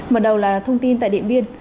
mở đầu là thông tin tại điện biên